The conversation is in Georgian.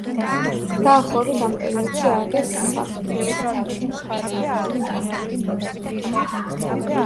დაახლოებით ამ პერიოდში ააგეს სახლიც.